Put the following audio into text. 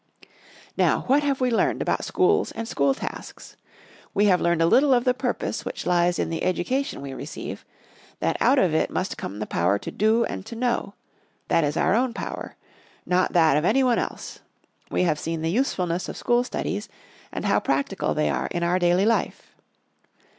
Now, what have we learned about schools and school tasks? We have learned a little of the purpose which lies in the education we receive; that out of it must come the power to do and to know; that is our own power; not that of any one else. We have seen the usefulness of school studies, and how practical they are in our daily life.